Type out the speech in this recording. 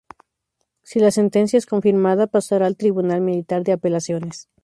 Si la sentencia es confirmada, pasará al tribunal militar de apelaciones.